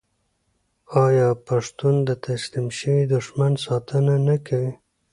آیا پښتون د تسلیم شوي دښمن ساتنه نه کوي؟